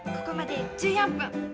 ここまで１４分。